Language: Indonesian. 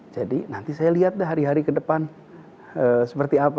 jadi nanti saya lihat deh hari hari ke depan seperti apa